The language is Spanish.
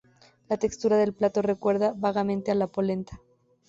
La textura del plato recuerda vagamente a la polenta.